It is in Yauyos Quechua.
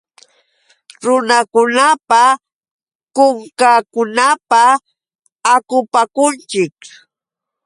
Runakunapa kukankunata akupakunchik.